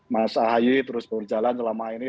mas ahaye terus berjalan selama ini